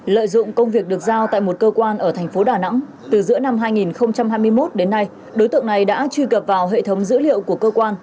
lợi dụng công việc được giao tại một cơ quan ở thành phố đà nẵng từ giữa năm hai nghìn hai mươi một đến nay đối tượng này đã truy cập vào hệ thống dữ liệu của cơ quan